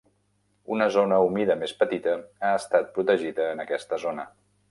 Una zona humida més petita ha estat protegida en aquesta zona.